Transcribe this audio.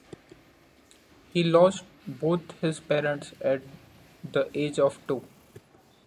He lost both his parents at the age of two.